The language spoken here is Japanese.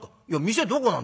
「店どこなんだ？」。